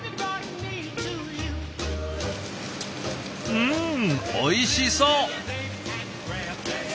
うんおいしそう！